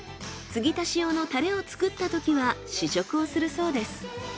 つぎ足し用のタレを作ったときは試食をするそうです。